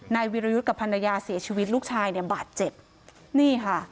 วิรยุทธ์กับภรรยาเสียชีวิตลูกชายเนี่ยบาดเจ็บนี่ค่ะ